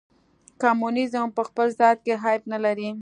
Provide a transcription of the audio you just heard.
کمونیزم په خپل ذات کې عیب نه لري.